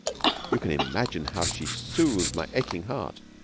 You can imagine how she soothed my aching heart.